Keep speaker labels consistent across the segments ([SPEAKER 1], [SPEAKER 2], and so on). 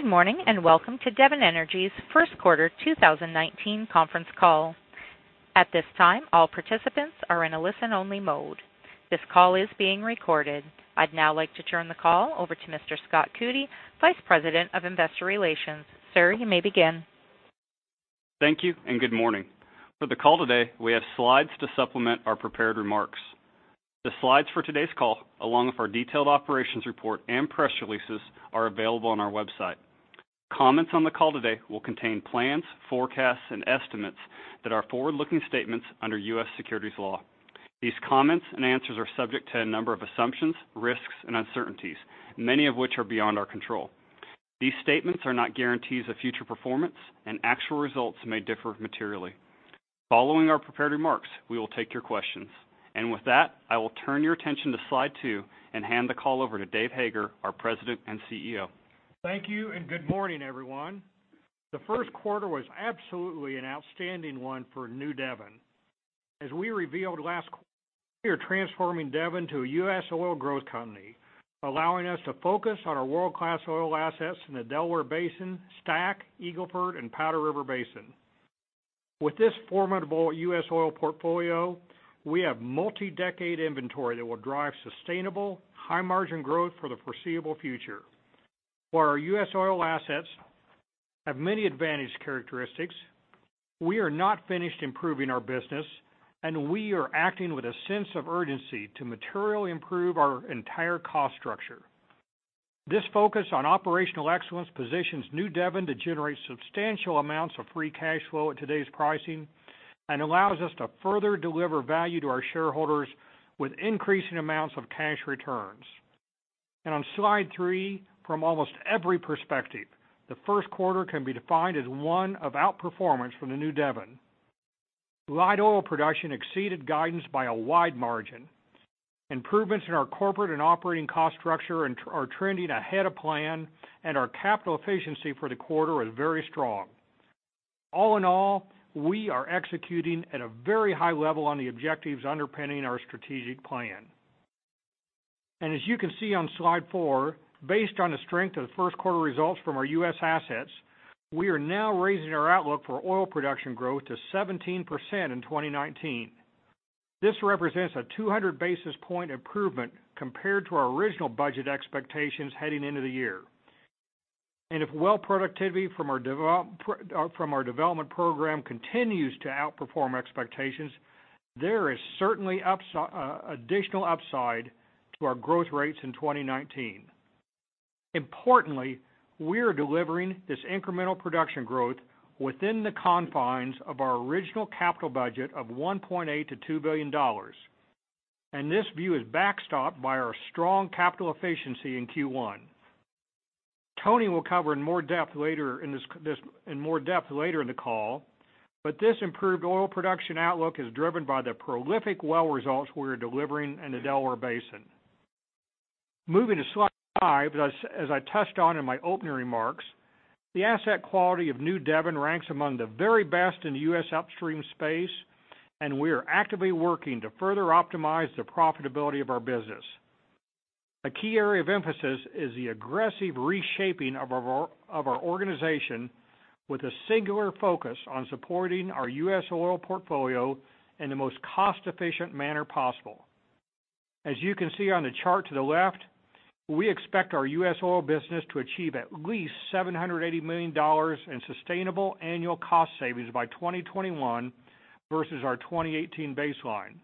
[SPEAKER 1] Good morning, and welcome to Devon Energy's first quarter 2019 conference call. At this time, all participants are in a listen-only mode. This call is being recorded. I'd now like to turn the call over to Mr. Scott Coody, Vice President of Investor Relations. Sir, you may begin.
[SPEAKER 2] Thank you. Good morning. For the call today, we have slides to supplement our prepared remarks. The slides for today's call, along with our detailed operations report and press releases, are available on our website. Comments on the call today will contain plans, forecasts, and estimates that are forward-looking statements under U.S. securities law. These comments and answers are subject to a number of assumptions, risks, and uncertainties, many of which are beyond our control. These statements are not guarantees of future performance, and actual results may differ materially. Following our prepared remarks, we will take your questions. With that, I will turn your attention to slide two and hand the call over to Dave Hager, our President and CEO.
[SPEAKER 3] Thank you. Good morning, everyone. The first quarter was absolutely an outstanding one for New Devon. As we revealed last quarter, we are transforming Devon into a U.S. oil growth company, allowing us to focus on our world-class oil assets in the Delaware Basin, STACK, Eagle Ford, and Powder River Basin. With this formidable U.S. oil portfolio, we have multi-decade inventory that will drive sustainable, high-margin growth for the foreseeable future. While our U.S. oil assets have many advantageous characteristics, we are not finished improving our business, and we are acting with a sense of urgency to materially improve our entire cost structure. This focus on operational excellence positions New Devon to generate substantial amounts of free cash flow at today's pricing and allows us to further deliver value to our shareholders with increasing amounts of cash returns. On slide three, from almost every perspective, the first quarter can be defined as one of outperformance for the New Devon. Light oil production exceeded guidance by a wide margin. Improvements in our corporate and operating cost structure are trending ahead of plan, and our capital efficiency for the quarter is very strong. All in all, we are executing at a very high level on the objectives underpinning our strategic plan. As you can see on slide four, based on the strength of the first quarter results from our U.S. assets, we are now raising our outlook for oil production growth to 17% in 2019. This represents a 200-basis-point improvement compared to our original budget expectations heading into the year. If well productivity from our development program continues to outperform expectations, there is certainly additional upside to our growth rates in 2019. Importantly, we are delivering this incremental production growth within the confines of our original capital budget of $1.8 billion-$2 billion, and this view is backstopped by our strong capital efficiency in Q1. Tony Vaughn will cover in more depth later in the call, but this improved oil production outlook is driven by the prolific well results we are delivering in the Delaware Basin. Moving to slide five, as I touched on in my opening remarks, the asset quality of New Devon ranks among the very best in the U.S. upstream space, and we are actively working to further optimize the profitability of our business. A key area of emphasis is the aggressive reshaping of our organization with a singular focus on supporting our U.S. oil portfolio in the most cost-efficient manner possible. As you can see on the chart to the left, we expect our U.S. oil business to achieve at least $780 million in sustainable annual cost savings by 2021 versus our 2018 baseline.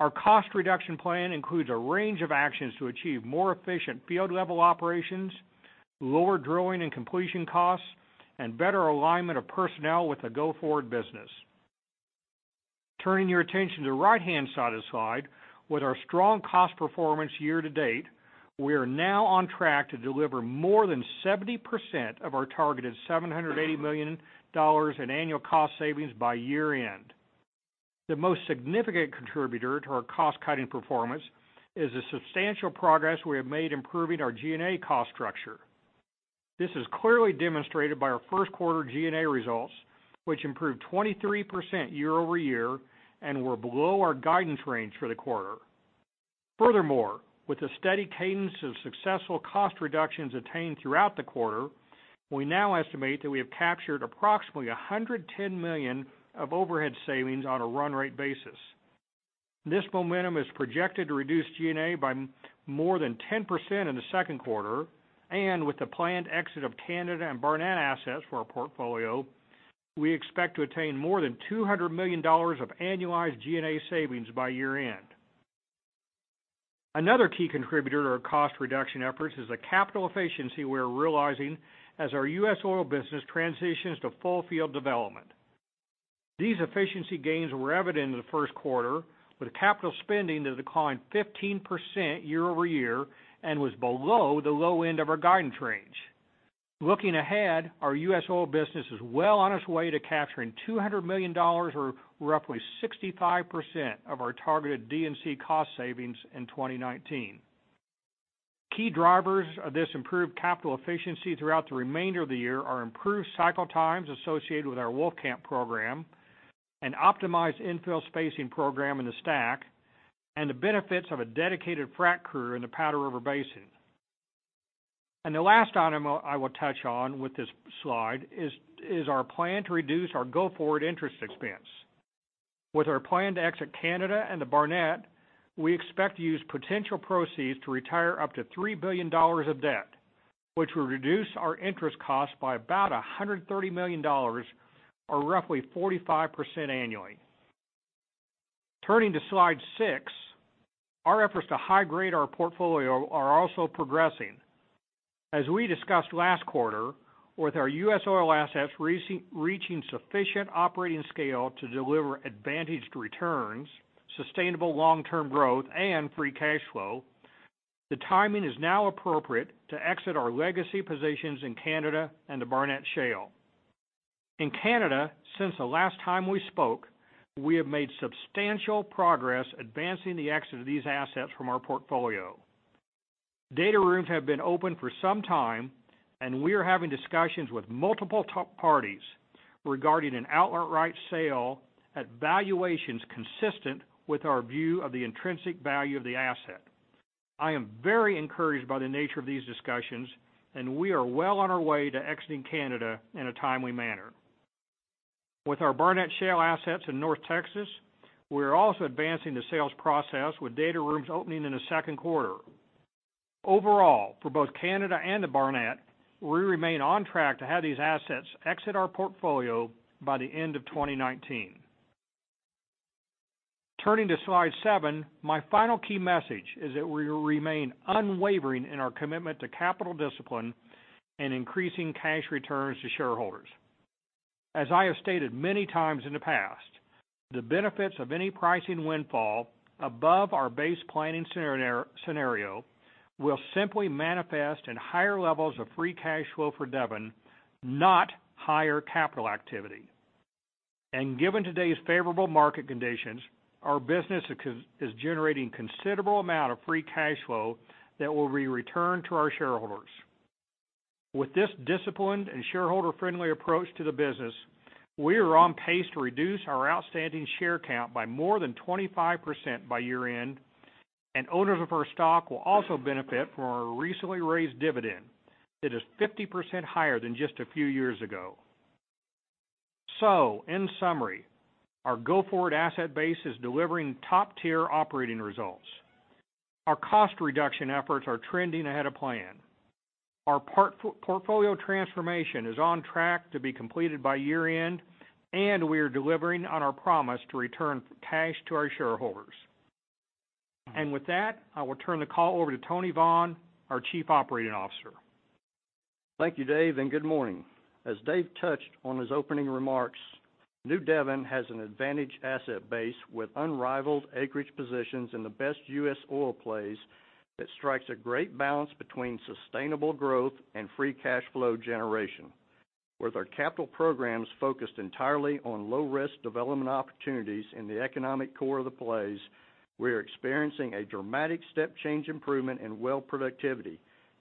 [SPEAKER 3] Our cost reduction plan includes a range of actions to achieve more efficient field-level operations, lower drilling and completion costs, and better alignment of personnel with the go-forward business. Turning your attention to the right-hand side of the slide, with our strong cost performance year-to-date, we are now on track to deliver more than 70% of our targeted $780 million in annual cost savings by year-end. The most significant contributor to our cost-cutting performance is the substantial progress we have made in improving our G&A cost structure. This is clearly demonstrated by our first quarter G&A results, which improved 23% year-over-year and were below our guidance range for the quarter. Furthermore, with the steady cadence of successful cost reductions attained throughout the quarter, we now estimate that we have captured approximately $110 million of overhead savings on a run-rate basis. This momentum is projected to reduce G&A by more than 10% in the second quarter, and with the planned exit of Canada and Barnett assets from our portfolio, we expect to attain more than $200 million of annualized G&A savings by year-end. Another key contributor to our cost reduction efforts is the capital efficiency we are realizing as our U.S. oil business transitions to full field development. These efficiency gains were evident in the first quarter, with capital spending that declined 15% year-over-year and was below the low end of our guidance range. Looking ahead, our U.S. oil business is well on its way to capturing $200 million, or roughly 65% of our targeted D&C cost savings in 2019. Key drivers of this improved capital efficiency throughout the remainder of the year are improved cycle times associated with our Wolfcamp program. An optimized infill spacing program in the STACK and the benefits of a dedicated frac crew in the Powder River Basin. The last item I will touch on with this slide is our plan to reduce our go-forward interest expense. With our plan to exit Canada and the Barnett, we expect to use potential proceeds to retire up to $3 billion of debt, which will reduce our interest costs by about $130 million, or roughly 45% annually. Turning to slide six, our efforts to high-grade our portfolio are also progressing. As we discussed last quarter, with our U.S. oil assets reaching sufficient operating scale to deliver advantaged returns, sustainable long-term growth, and free cash flow, the timing is now appropriate to exit our legacy positions in Canada and the Barnett Shale. In Canada, since the last time we spoke, we have made substantial progress advancing the exit of these assets from our portfolio. Data rooms have been open for some time, and we are having discussions with multiple top parties regarding an outright sale at valuations consistent with our view of the intrinsic value of the asset. I am very encouraged by the nature of these discussions, and we are well on our way to exiting Canada in a timely manner. With our Barnett Shale assets in North Texas, we're also advancing the sales process, with data rooms opening in the second quarter. Overall, for both Canada and the Barnett, we remain on track to have these assets exit our portfolio by the end of 2019. Turning to slide seven, my final key message is that we remain unwavering in our commitment to capital discipline and increasing cash returns to shareholders. As I have stated many times in the past, the benefits of any pricing windfall above our base planning scenario will simply manifest in higher levels of free cash flow for Devon, not higher capital activity. Given today's favorable market conditions, our business is generating a considerable amount of free cash flow that will be returned to our shareholders. With this disciplined and shareholder-friendly approach to the business, we are on pace to reduce our outstanding share count by more than 25% by year-end, and owners of our stock will also benefit from our recently raised dividend that is 50% higher than just a few years ago. In summary, our go-forward asset base is delivering top-tier operating results. Our cost reduction efforts are trending ahead of plan. Our portfolio transformation is on track to be completed by year-end, and we are delivering on our promise to return cash to our shareholders. With that, I will turn the call over to Tony Vaughn, our Chief Operating Officer.
[SPEAKER 4] Thank you, Dave, and good morning. As Dave touched on in his opening remarks, New Devon has an advantaged asset base with unrivaled acreage positions in the best U.S. oil plays that strike a great balance between sustainable growth and free cash flow generation. With our capital programs focused entirely on low-risk development opportunities in the economic core of the plays, we are experiencing a dramatic step-change improvement in well productivity,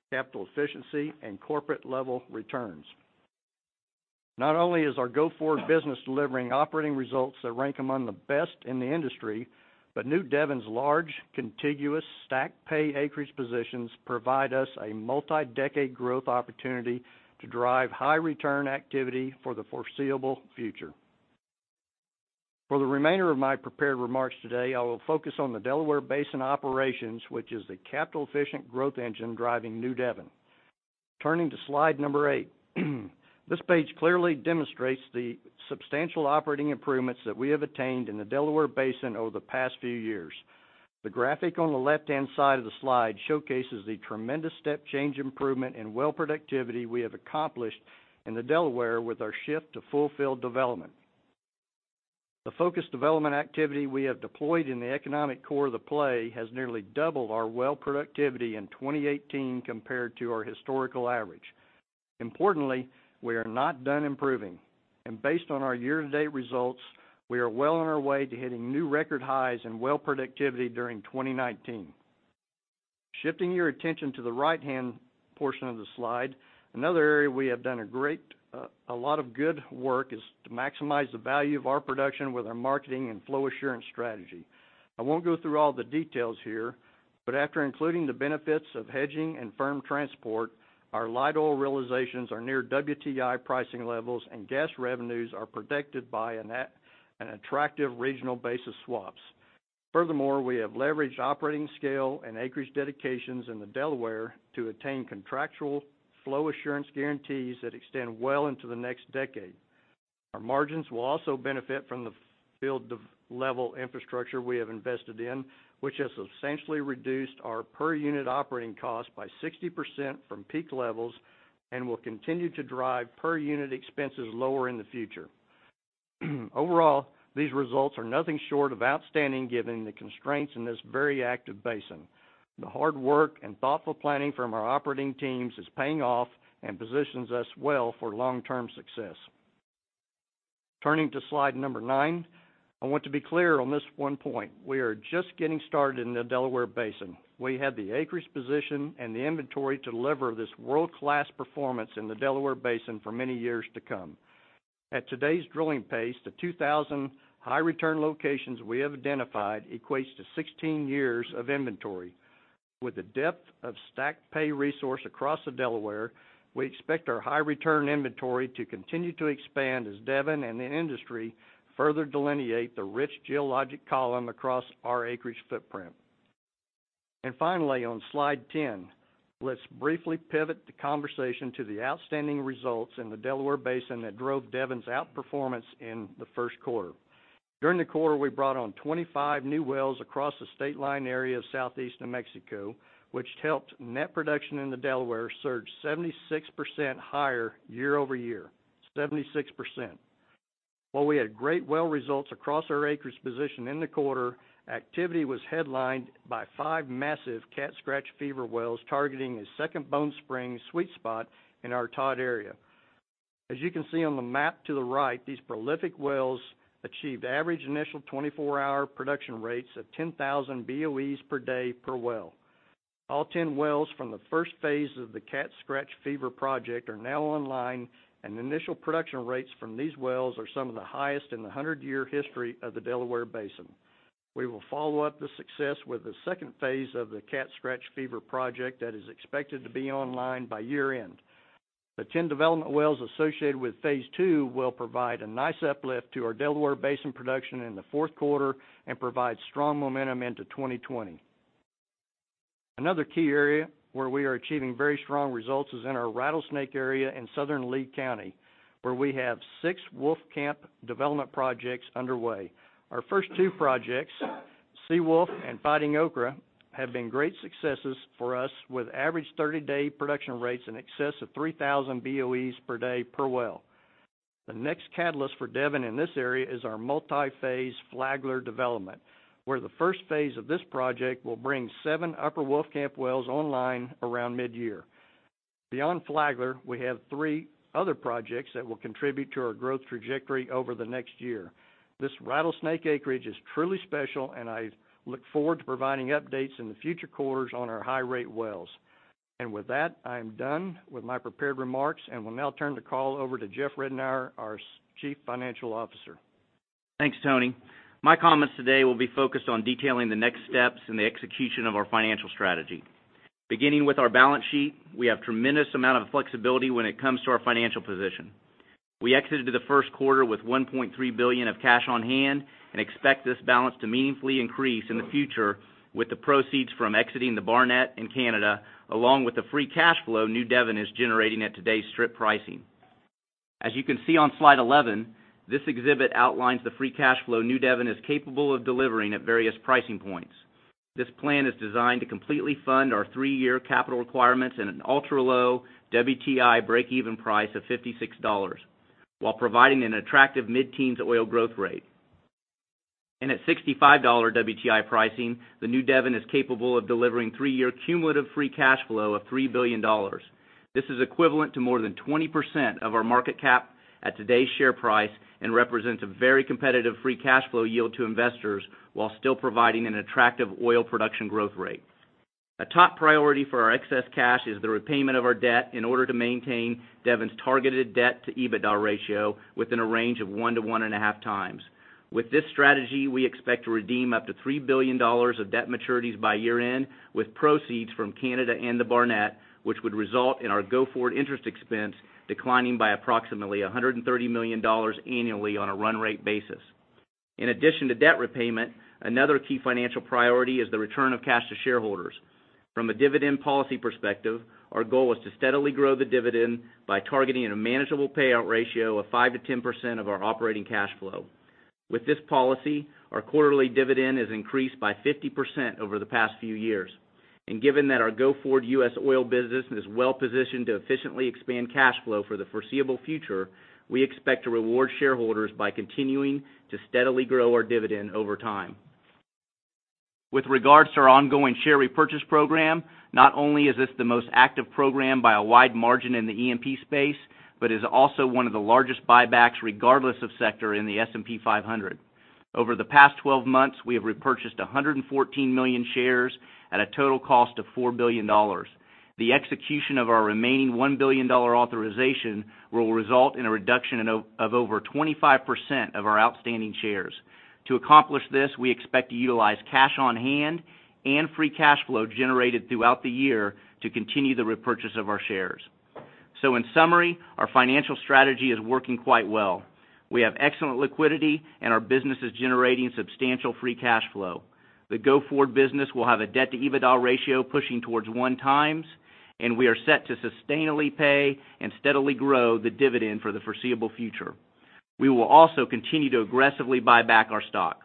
[SPEAKER 4] capital efficiency, and corporate-level returns. Not only is our go-forward business delivering operating results that rank among the best in the industry, but New Devon's large, contiguous stack pay acreage positions provide us with a multi-decade growth opportunity to drive high-return activity for the foreseeable future. For the remainder of my prepared remarks today, I will focus on the Delaware Basin operations, which are the capital-efficient growth engine driving New Devon. Turning to slide number eight, this page clearly demonstrates the substantial operating improvements that we have attained in the Delaware Basin over the past few years. The graphic on the left-hand side of the slide showcases the tremendous step-change improvement in well productivity we have accomplished in the Delaware with our shift to full-field development. The focused development activity we have deployed in the economic core of the play has nearly doubled our well productivity in 2018 compared to our historical average. Importantly, we are not done improving, and based on our year-to-date results, we are well on our way to hitting new record highs in well productivity during 2019. Shifting your attention to the right-hand portion of the slide, another area where we have done a lot of good work is to maximize the value of our production with our marketing and flow assurance strategy. I won't go through all the details here, but after including the benefits of hedging and firm transport, our light oil realizations are near WTI pricing levels, and gas revenues are protected by an attractive regional basis swap. Furthermore, we have leveraged operating scale and acreage dedications in the Delaware to attain contractual flow assurance guarantees that extend well into the next decade. Our margins will also benefit from the field-level infrastructure we have invested in, which has substantially reduced our per-unit operating cost by 60% from peak levels and will continue to drive per-unit expenses lower in the future. Overall, these results are nothing short of outstanding given the constraints in this very active basin. The hard work and thoughtful planning from our operating teams are paying off and position us well for long-term success. Turning to slide number nine. I want to be clear on this one point. We are just getting started in the Delaware Basin. We have the acreage position and the inventory to deliver this world-class performance in the Delaware Basin for many years to come. At today's drilling pace, the 2,000 high-return locations we have identified equate to 16 years of inventory. With the depth of stacked pay resources across the Delaware, we expect our high-return inventory to continue to expand as Devon and the industry further delineate the rich geologic column across our acreage footprint. Finally, on slide 10, let's briefly pivot the conversation to the outstanding results in the Delaware Basin that drove Devon's outperformance in the first quarter. During the quarter, we brought on 25 new wells across the state line area of Southeast New Mexico, which helped net production in the Delaware surge 76% higher year-over-year. 76%. While we had great well results across our acreage position in the quarter, activity was headlined by five massive Cat Scratch Fever wells targeting a Second Bone Spring sweet spot in our Todd area. As you can see on the map to the right, these prolific wells achieved average initial 24-hour production rates of 10,000 Boe per day per well. All 10 wells from the first phase of the Cat Scratch Fever project are now online, and initial production rates from these wells are some of the highest in the 100-year history of the Delaware Basin. We will follow up on the success with the second phase of the Cat Scratch Fever project that is expected to be online by year-end. The 10 development wells associated with phase two will provide a nice uplift to our Delaware Basin production in the fourth quarter and provide strong momentum into 2020. Another key area where we are achieving very strong results is in our Rattlesnake area in southern Lee County, where we have six Wolfcamp development projects underway. Our first two projects, Seawolf and Fighting Okra, have been great successes for us with average 30-day production rates in excess of 3,000 Boe per day per well. The next catalyst for Devon in this area is our multi-phase Flagler development, where the first phase of this project will bring seven Upper Wolfcamp wells online around mid-year. Beyond Flagler, we have three other projects that will contribute to our growth trajectory over the next year. This Rattlesnake acreage is truly special. I look forward to providing updates in the future quarters on our high-rate wells. With that, I am done with my prepared remarks and will now turn the call over to Jeff Ritenour, our Chief Financial Officer.
[SPEAKER 5] Thanks, Tony. My comments today will be focused on detailing the next steps in the execution of our financial strategy. Beginning with our balance sheet, we have a tremendous amount of flexibility when it comes to our financial position. We exited the first quarter with $1.3 billion of cash on hand and expect this balance to meaningfully increase in the future with the proceeds from exiting the Barnett in Canada, along with the free cash flow New Devon is generating at today's strip pricing. As you can see on slide 11, this exhibit outlines the free cash flow New Devon is capable of delivering at various pricing points. This plan is designed to completely fund our three-year capital requirements in an ultra-low WTI breakeven price of $56, while providing an attractive mid-teens oil growth rate. At $65 WTI pricing, the New Devon is capable of delivering a three-year cumulative free cash flow of $3 billion. This is equivalent to more than 20% of our market cap at today's share price and represents a very competitive free cash flow yield to investors while still providing an attractive oil production growth rate. A top priority for our excess cash is the repayment of our debt in order to maintain Devon's targeted debt to EBITDA ratio within a range of one to one and a half times. With this strategy, we expect to redeem up to $3 billion of debt maturities by year-end, with proceeds from Canada and the Barnett, which would result in our go-forward interest expense declining by approximately $130 million annually on a run-rate basis. In addition to debt repayment, another key financial priority is the return of cash to shareholders. From a dividend policy perspective, our goal is to steadily grow the dividend by targeting a manageable payout ratio of 5%-10% of our operating cash flow. With this policy, our quarterly dividend has increased by 50% over the past few years. Given that our go-forward U.S. oil business is well positioned to efficiently expand cash flow for the foreseeable future, we expect to reward shareholders by continuing to steadily grow our dividend over time. With regards to our ongoing share repurchase program, not only is this the most active program by a wide margin in the E&P space, but it is also one of the largest buybacks regardless of sector in the S&P 500. Over the past 12 months, we have repurchased 114 million shares at a total cost of $4 billion. The execution of our remaining $1 billion authorization will result in a reduction of over 25% of our outstanding shares. To accomplish this, we expect to utilize cash on hand and free cash flow generated throughout the year to continue the repurchase of our shares. In summary, our financial strategy is working quite well. We have excellent liquidity, and our business is generating substantial free cash flow. The go-forward business will have a debt-to-EBITDA ratio pushing towards 1x, and we are set to sustainably pay and steadily grow the dividend for the foreseeable future. We will also continue to aggressively buy back our stock.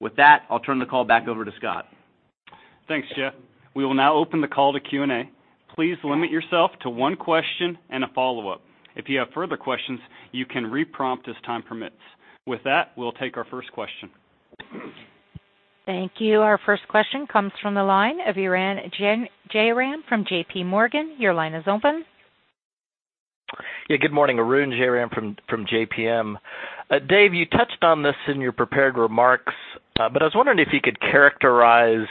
[SPEAKER 5] With that, I'll turn the call back over to Scott.
[SPEAKER 2] Thanks, Jeff. We will now open the call to Q&A. Please limit yourself to one question and a follow-up. If you have further questions, you can re-prompt as time permits. With that, we'll take our first question.
[SPEAKER 1] Thank you. Our first question comes from the line of Arun Jayaram from JPMorgan. Your line is open.
[SPEAKER 6] Yeah. Good morning, Arun Jayaram from JPM. Dave, you touched on this in your prepared remarks, but I was wondering if you could characterize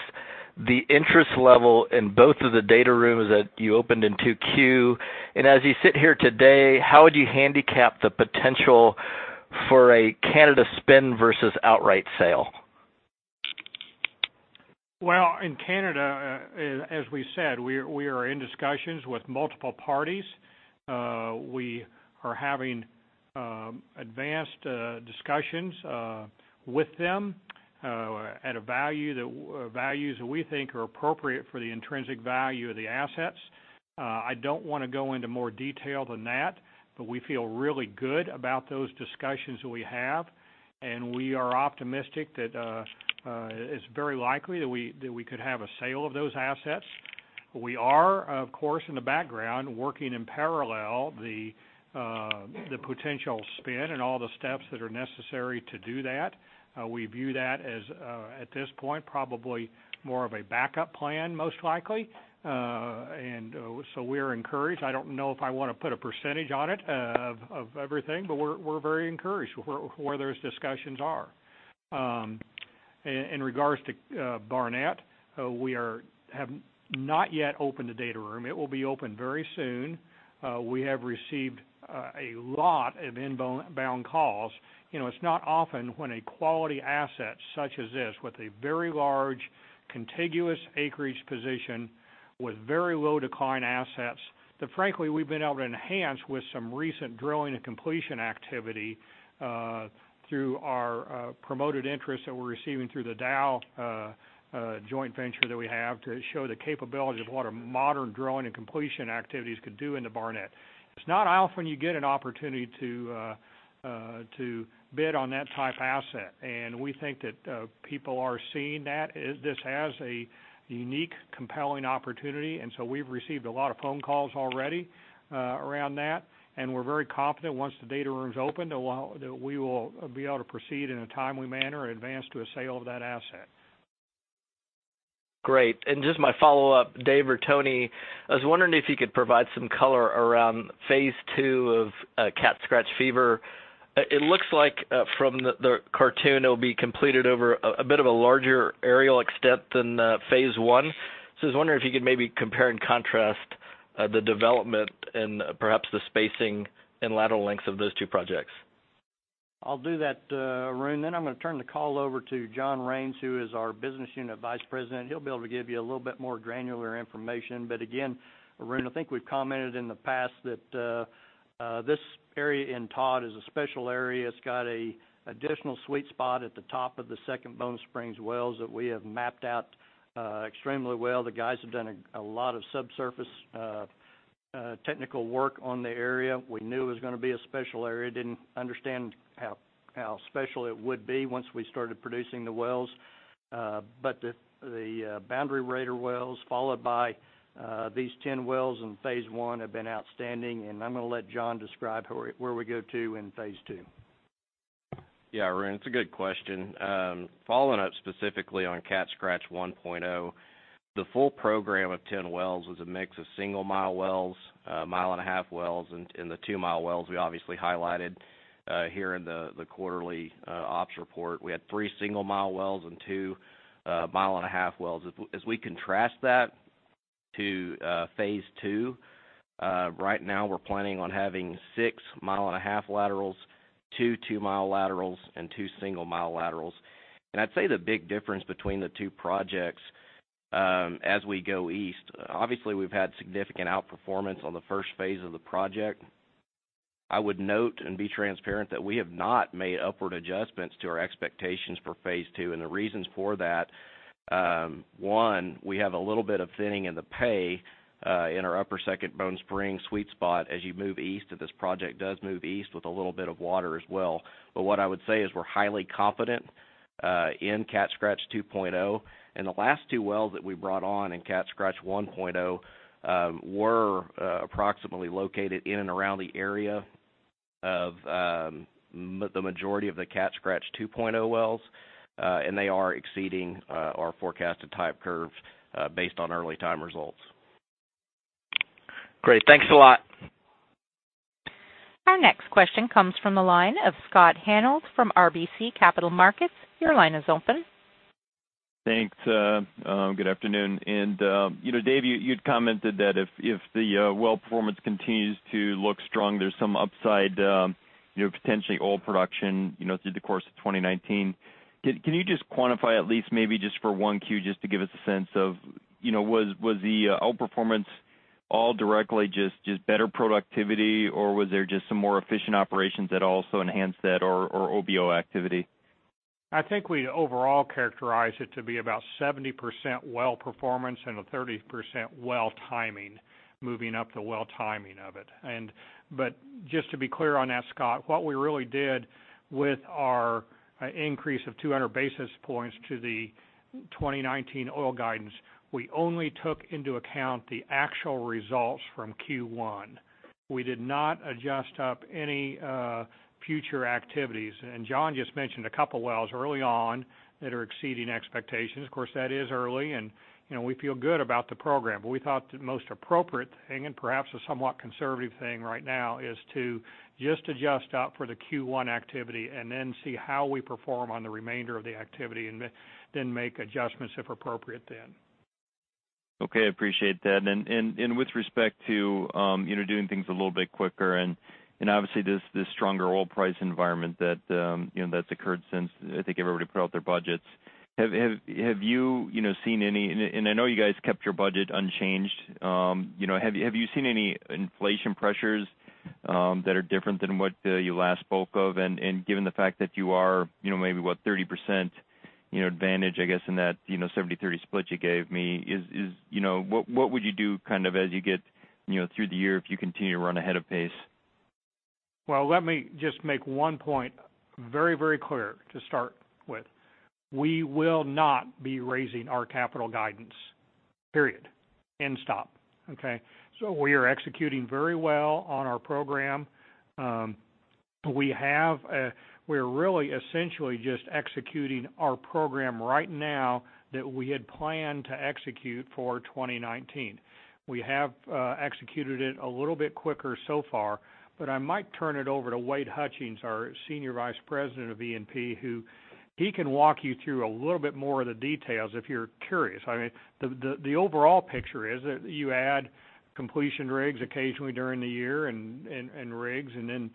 [SPEAKER 6] the interest level in both of the data rooms that you opened in 2Q. As you sit here today, how would you handicap the potential for a Canada spin versus an outright sale?
[SPEAKER 3] Well, in Canada, as we said, we are in discussions with multiple parties. We are having advanced discussions with them at values that we think are appropriate for the intrinsic value of the assets. I don't want to go into more detail than that, but we feel really good about those discussions that we have, and we are optimistic that it's very likely that we could have a sale of those assets. We are, of course, in the background, working in parallel on the potential spin and all the steps that are necessary to do that. We view that as, at this point, probably more of a backup plan, most likely. We're encouraged. I don't know if I want to put a percentage on it of everything, but we're very encouraged by where those discussions are. In regard to Barnett, we have not yet opened the data room. It will be open very soon. We have received a lot of inbound calls. It's not often when a quality asset such as this, with a very large contiguous acreage position with very low decline assets, that frankly, we've been able to enhance with some recent drilling and completion activity through our promoted interest that we're receiving through the Dow joint venture that we have to show the capability of what a modern drilling and completion activities could do in the Barnett. It's not often you get an opportunity to bid on that type of asset, and we think that people are seeing that. This has a unique, compelling opportunity. We've received a lot of phone calls already around that, and we're very confident that once the data room's open, we will be able to proceed in a timely manner and advance to a sale of that asset.
[SPEAKER 6] Great. Just my follow-up, Dave or Tony, I was wondering if you could provide some color around phase II of Cat Scratch Fever. It looks like from the cartoon, it will be completed over a bit of a larger aerial extent than phase 1. I was wondering if you could maybe compare and contrast the development and perhaps the spacing and lateral lengths of those two projects.
[SPEAKER 3] I'll do that, Arun. I'm going to turn the call over to John Raines, who is our Business Unit Vice President. He'll be able to give you a little bit more granular information. Again, Arun, I think we've commented in the past that this area in Todd is a special area. It's got an additional sweet spot at the top of the Second Bone Spring wells that we have mapped out extremely well. The guys have done a lot of subsurface technical work in the area. We knew it was going to be a special area, but we didn't understand how special it would be once we started producing the wells. But the Boundary Raider wells, followed by these 10 wells in phase I, have been outstanding. I'm going to let John describe where we go in phase II.
[SPEAKER 7] Arun, it's a good question. Following up specifically on Cat Scratch 1.0, the full program of 10 wells was a mix of single-mile wells, a mile- and-a-half wells, and two-mile wells, which we obviously highlighted here in the quarterly ops report. We had three single-mile wells and two mile-and-a-half wells. As we contrast that to phase II, right now we're planning on having six mile-and-a-half laterals, two two-mile laterals, and two single-mile laterals. I'd say the big difference between the two projects as we go east, obviously, we've had significant outperformance on the first phase of the project. I would note and be transparent that we have not made upward adjustments to our expectations for phase II. The reasons for that are, first, we have a little bit of thinning in the pay in our upper Second Bone Spring sweet spot as you move east, if this project does move east, with a little bit of water as well. What I would say is we're highly confident in Cat Scratch 2.0. The last two wells that we brought on in Cat Scratch 1.0 were approximately located in and around the area of the majority of the Cat Scratch 2.0 wells, and they are exceeding our forecasted type curves based on early time results.
[SPEAKER 6] Great. Thanks a lot.
[SPEAKER 1] Our next question comes from the line of Scott Hanold from RBC Capital Markets. Your line is open.
[SPEAKER 8] Thanks. Good afternoon. Dave, you'd commented that if the well performance continues to look strong, there's some upside potential for oil production through the course of 2019. Can you just quantify at least, maybe just for 1Q, just to give us a sense of whether the outperformance was all directly just better productivity, or was there just some more efficient operations that also enhanced that, or OBO activity?
[SPEAKER 3] I think we'd overall characterize it to be about 70% well performance and 30% well timing, moving up the well timing of it. Just to be clear on that, Scott, what we really did with our increase of 200 basis points to the 2019 oil guidance we only took into account the actual results from Q1. We did not adjust any future activities. John just mentioned a couple of wells early on that are exceeding expectations. Of course, that is early, and we feel good about the program. We thought the most appropriate thing, and perhaps a somewhat conservative thing right now, is to just adjust up for the Q1 activity and then see how we perform on the remainder of the activity, and then make adjustments if appropriate.
[SPEAKER 8] Okay, I appreciate that. With respect to doing things a little bit quicker, and obviously this stronger oil price environment that's occurred since, I think, everybody put out their budgets. Have you seen any-- and I know you guys kept your budget unchanged. Have you seen any inflation pressures that are different than what you last spoke of? Given the fact that you are maybe, what, 30% advantage, I guess, in that 70-30 split you gave me, what would you do as you get through the year if you continue to run ahead of pace?
[SPEAKER 3] Well, let me just make one point very clear to start with. We will not be raising our capital guidance, period. End stop. Okay? We are executing very well on our program. We're really essentially just executing our program right now that we had planned to execute for 2019. We have executed it a little bit quicker so far, but I might turn it over to Wade Hutchings, our Senior Vice President of E&P, who can walk you through a little bit more of the details if you're curious. The overall picture is that you add completion rigs occasionally during the year and rigs, and then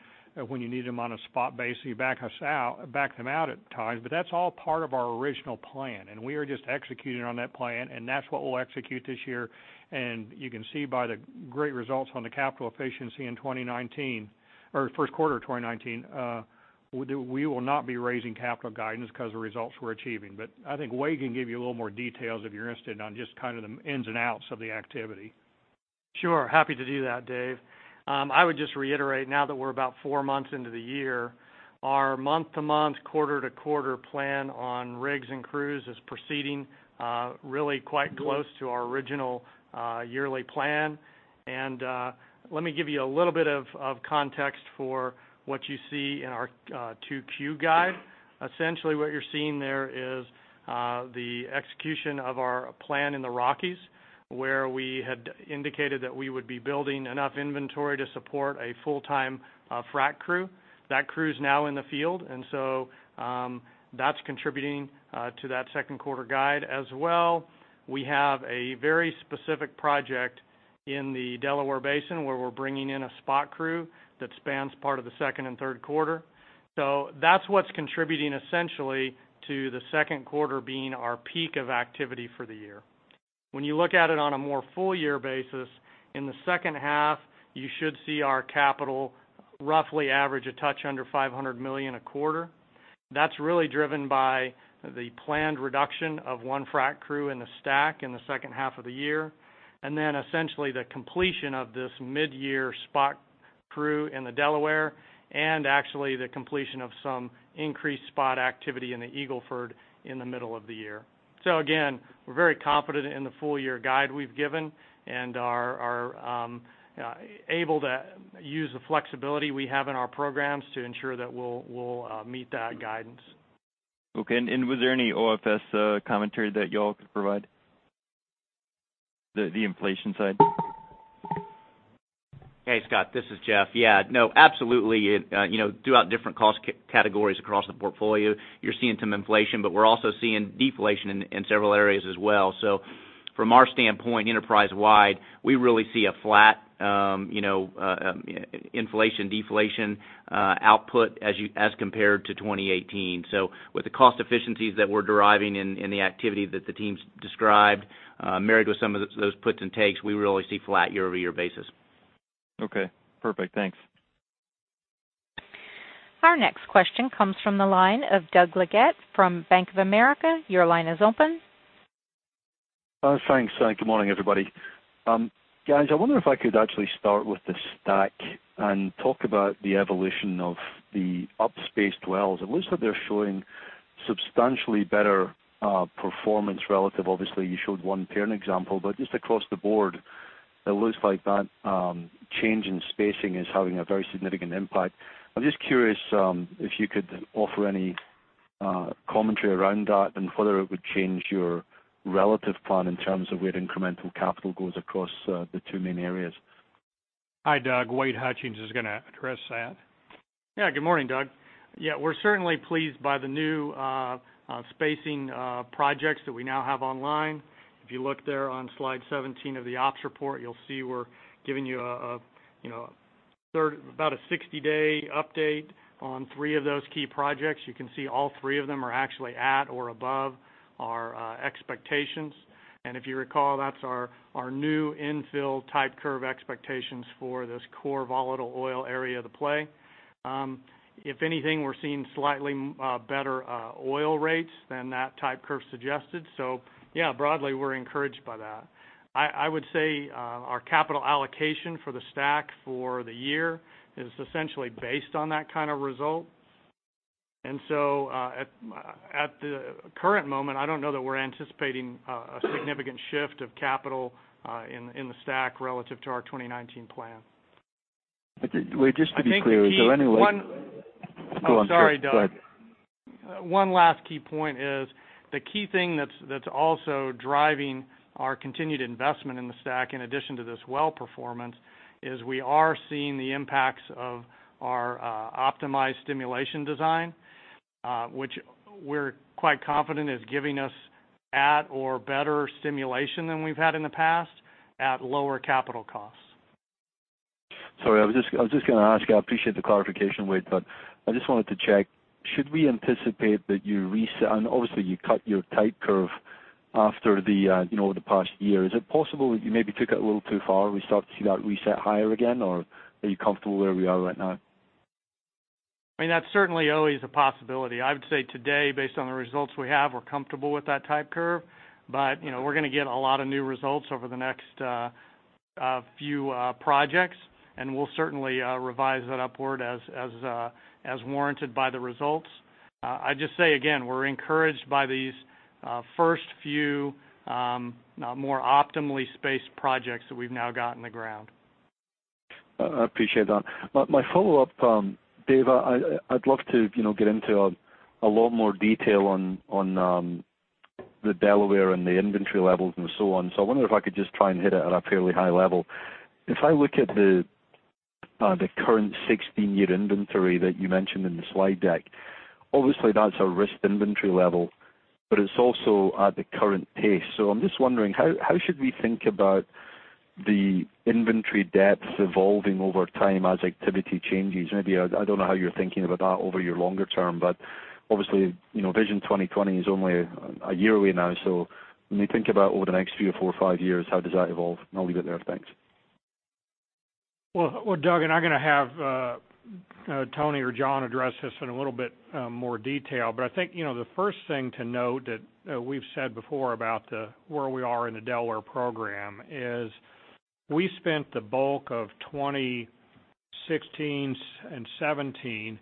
[SPEAKER 3] when you need them on a spot basis, you back them out at times. That's all part of our original plan, and we are just executing on that plan, and that's what we'll execute this year. You can see by the great results on the capital efficiency in 2019 or the first quarter of 2019, we will not be raising capital guidance because of the results we're achieving. I think Wade can give you a little more details, if you're interested, on just the ins and outs of the activity.
[SPEAKER 9] Sure. Happy to do that, Dave. I would just reiterate, now that we're about four months into the year, our month-to-month, quarter-to-quarter plan on rigs and crews is proceeding really quite close to our original yearly plan. Let me give you a little bit of context for what you see in our 2Q guide. Essentially, what you're seeing there is the execution of our plan in the Rockies, where we had indicated that we would be building enough inventory to support a full-time frac crew. That crew's now in the field, and that's contributing to that second quarter guide as well. We have a very specific project in the Delaware Basin, where we're bringing in a spot crew that spans part of the second and third quarters. That's what's contributing essentially to the second quarter being our peak of activity for the year. When you look at it on a full-year basis, in the second half, you should see our capital roughly average a touch under $500 million a quarter. That's really driven by the planned reduction of one frac crew in the STACK in the second half of the year, essentially the completion of this mid-year spot crew in the Delaware, and actually the completion of some increased spot activity in the Eagle Ford in the middle of the year. Again, we're very confident in the full-year guidance we've given and are able to use the flexibility we have in our programs to ensure that we'll meet that guidance.
[SPEAKER 8] Okay, was there any OFS commentary that y'all could provide? The inflation side?
[SPEAKER 5] Hey, Scott, this is Jeff. Yeah, no, absolutely, throughout different cost categories across the portfolio, you're seeing some inflation, but we're also seeing deflation in several areas as well. From our standpoint, enterprise-wide, we really see a flat inflation-deflation output as compared to 2018. With the cost efficiencies that we're deriving and the activity that the teams described, married with some of those puts and takes, we really see flat year-over-year basis.
[SPEAKER 8] Okay, perfect. Thanks.
[SPEAKER 1] Our next question comes from the line of Doug Leggate from Bank of America. Your line is open.
[SPEAKER 10] Thanks. Good morning, everybody. Guys, I wonder if I could actually start with the STACK and talk about the evolution of the up-spaced wells. It looks like they're showing substantially better performance relative. Obviously, you showed one pair, an example, but just across the board, it looks like that change in spacing is having a very significant impact. I'm just curious if you could offer any commentary around that and whether it would change your relative plan in terms of where incremental capital goes across the two main areas.
[SPEAKER 3] Hi, Doug. Wade Hutchings is going to address that.
[SPEAKER 9] Yeah. Good morning, Doug. Yeah, we're certainly pleased by the new spacing projects that we now have online. If you look there on slide 17 of the ops report, you'll see we're giving you about a 60-day update on three of those key projects. You can see all three of them are actually at or above our expectations. If you recall, that's our new infill type curve expectations for this core volatile oil area of the play. If anything, we're seeing slightly better oil rates than that type curve suggested. Yeah, broadly, we're encouraged by that. I would say our capital allocation for the STACK for the year is essentially based on that kind of result. At the current moment, I don't know that we're anticipating a significant shift of capital in the STACK relative to our 2019 plan.
[SPEAKER 10] Wade, just to be clear, is there any way-
[SPEAKER 9] I think the key one--
[SPEAKER 10] Go on. Sorry. Go ahead.
[SPEAKER 9] Sorry, Doug. One last key point is the key thing that's also driving our continued investment in the STACK, in addition to this well performance, is that we are seeing the impacts of our optimized stimulation design. We're quite confident is giving us at or better stimulation than we've had in the past, at lower capital costs.
[SPEAKER 10] Sorry, I was just going to ask you. I appreciate the clarification, Wade. I just wanted to check: should we anticipate that you have cut your type curve over the past year? Is it possible that you may have taken it a little too far? Do we start to see that reset higher again? Are you comfortable where we are right now?
[SPEAKER 9] That's certainly always a possibility. I would say today, based on the results we have, we're comfortable with that type curve. We're going to get a lot of new results over the next few projects, and we'll certainly revise that upward as warranted by the results. I'd just say again, we're encouraged by these first few more optimally spaced projects that we've now got in the ground.
[SPEAKER 10] I appreciate that. My follow-up, Dave, I'd love to get into a lot more detail on the Delaware and the inventory levels and so on. I wonder if I could just try and hit it at a fairly high level. If I look at the current 16-year inventory that you mentioned in the slide deck, obviously, that's a risk inventory level; it's also at the current pace. I'm just wondering, how should we think about the inventory depth evolving over time as activity changes? Maybe, I don't know how you're thinking about that over your longer term, obviously, Vision 2020 is only a year away now. When you think about the next three or four or five years, how does that evolve? I'll leave it there. Thanks.
[SPEAKER 3] Doug, I'm going to have Tony or John address this in a little bit more detail. I think the first thing to note is that we've said before about where we are in the Delaware program is that we spent the bulk of 2016 and 2017,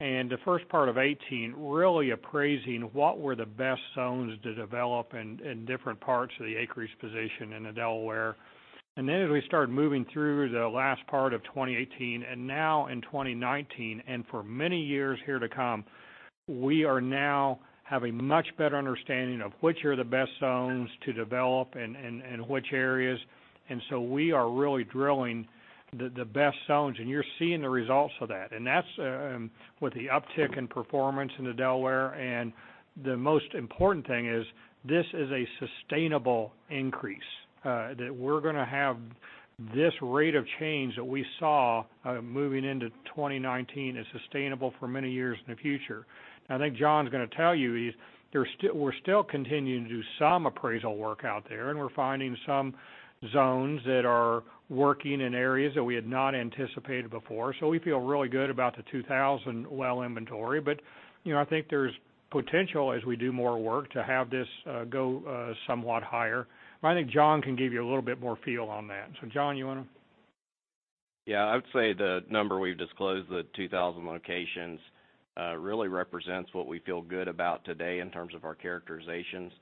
[SPEAKER 3] and the first part of 2018, really appraising what the best zones to develop in different parts of the acreage position in the Delaware. As we started moving through the last part of 2018 and now in 2019, and for many years to come, we now have a much better understanding of which zones are best to develop and which areas. We are really drilling the best zones, and you're seeing the results of that. That's with the uptick in performance in Delaware; the most important thing is that this is a sustainable increase. We're going to have this rate of change that we saw moving into 2019 is sustainable for many years in the future. I think John's going to tell you we're still continuing to do some appraisal work out there, and we're finding some zones that are working in areas that we had not anticipated before. We feel really good about the 2,000 well inventory. I think there's potential as we do more work to have this go somewhat higher. I think John can give you a little bit more feel on that. John, you want to?
[SPEAKER 7] Yeah, I would say the number we've disclosed, the 2,000 locations, really represents what we feel good about today in terms of our characterizations.